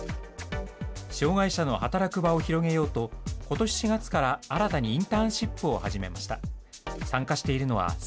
障害者の働く場を広げようと、ことし４月から新たにインターンシップを始めました。